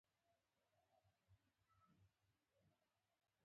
هغه د خپل زرغون پلاستيکي ماسک ترشا وویل